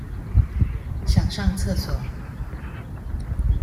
想上廁所